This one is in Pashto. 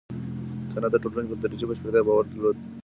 کنت د ټولنو په تدریجي بشپړتیا باور درلود.